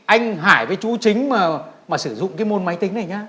anh hải với chú chính mà sử dụng cái môn máy tính này nhé